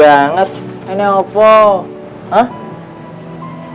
pulang pulang kok mukanya ditukuk tukuk gitu lesu banget